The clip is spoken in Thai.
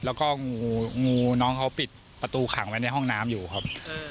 แล้วก็งูน้องเขาปิดประตูขังไว้ในห้องน้ำอยู่ครับ